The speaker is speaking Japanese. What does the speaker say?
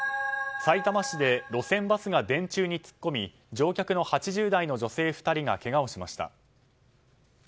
さいたま市で路線バスが電柱に突っ込み乗客の８０代の女性２人がけがをしました。